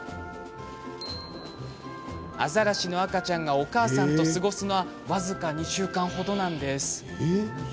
アザラシの赤ちゃんがお母さんと過ごすのは僅か２週間ほど。